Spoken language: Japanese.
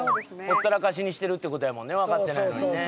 ほったらかしにしてるってことやもんね分かってないのにね